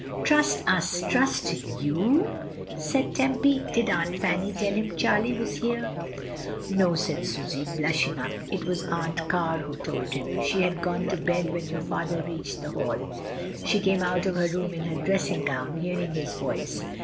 "Trust us, trust jfou/" said Tempy. "Did Aunt Fanny tell him Charlie was here?" "No," said Susy, blushing up. "It was Aunt Car who told him, she had gone to bed when your father reached the Hall. She came out of her room in her dressing gown, hearing his voice.